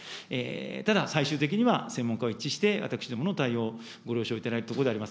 ただ最終的には専門家は一致して、私どもの対応をご了承いただいたところであります。